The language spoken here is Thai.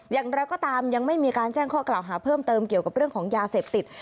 อย่างไรก็ตามยังไม่มีการแจ้งข้อกล่าวหาเพิ่มเติมเกี่ยวกับเรื่องของยาเสพติด